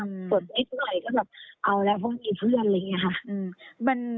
ฝนไม่เท่าไหร่ก็แบบเอาแล้วเพราะมีเพื่อนอะไรอย่างนี้ค่ะ